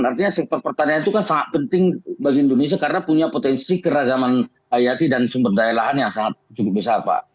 artinya sektor pertanian itu kan sangat penting bagi indonesia karena punya potensi keragaman hayati dan sumber daya lahan yang cukup besar pak